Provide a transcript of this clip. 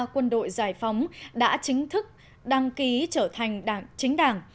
quân đội giải phóng đã chính thức đăng ký trở thành đảng chính đảng